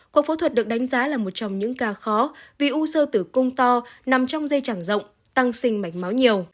cuộc phẫu thuật được đánh giá là một trong những ca khó vì u sơ tử cung to nằm trong dây chẳng rộng tăng sinh mạch máu nhiều